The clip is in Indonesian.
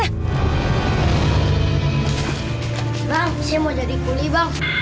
bang saya mau jadi kuli bang